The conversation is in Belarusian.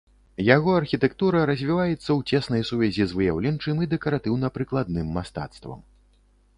Яго архітэктура развіваецца ў цеснай сувязі з выяўленчым і дэкаратыўна-прыкладным мастацтвам.